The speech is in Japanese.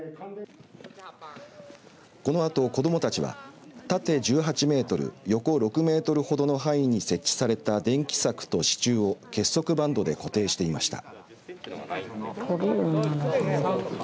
このあと子どもたちは縦１８メートル横６メートルほどの範囲に設置された電気柵と支柱を結束バンドで固定していました。